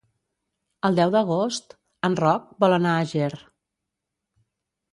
El deu d'agost en Roc vol anar a Ger.